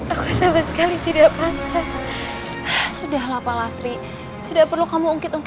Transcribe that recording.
aku sama sekali tidak pantas